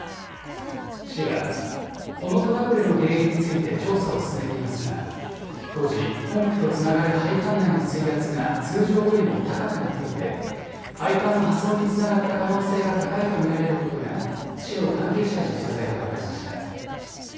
市はこのトラブルの原因について調査を進めていますが当時、ポンプとつながる配管内の水圧が通常よりも高くなっていて配管の破損につながった可能性が高いと見られることが市の関係者への取材で分かりました。